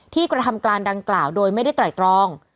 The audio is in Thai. กระทำการดังกล่าวโดยไม่ได้ไตรตรอง